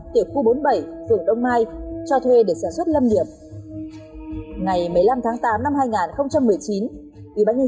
hai trăm ba mươi năm tiểu khu bốn mươi bảy phường đông mai cho thuê để sản xuất lâm nghiệp ngày một mươi năm tháng tám năm hai nghìn một mươi chín ủy ban nhân